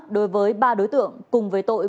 đối với ba đối tượng cùng với tội